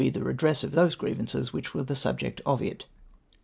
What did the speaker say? iiSl lie tlie redress of those grievances which were the subject of it.